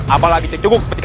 apalagi cengcengguk seperti kau